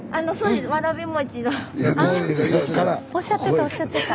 スタジオおっしゃってたおっしゃってた。